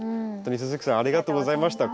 鈴木さんありがとうございました。